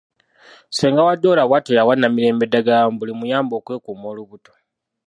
Ssenga Dora bwatyo yawa Namirembe eddagala mbu limuyambe okwekuuma olubuto.